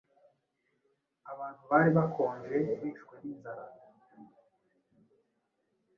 Abantu bari bakonje, bishwe n’inzara